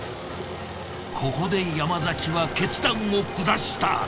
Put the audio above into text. ここで山崎は決断を下した。